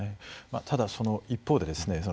ただその一方でですね